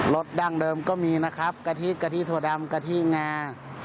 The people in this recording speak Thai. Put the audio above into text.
สดั้งเดิมก็มีนะครับกะทิกะทิถั่วดำกะทิงา